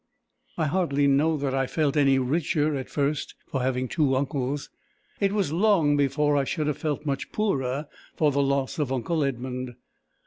I hardly know that I felt any richer at first for having two uncles; it was long before I should have felt much poorer for the loss of uncle Edmund.